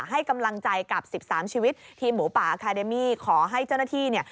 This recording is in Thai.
ให้กำลังใจกับสิบสามชีวิตทีมหมูป่าขอให้เจ้าหน้าที่เนี่ย